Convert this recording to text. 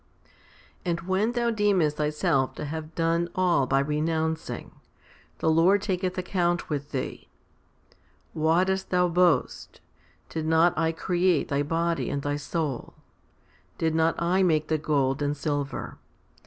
8. And when thou deemest thyself to have done all by renouncing, the Lord taketh account with thee. " Why dost thou boast ? Did not I create thy body and thy soul ? Did not I make the gold and silver